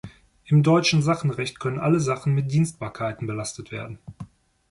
Im deutschen Sachenrecht können alle Sachen mit Dienstbarkeiten belastet werden.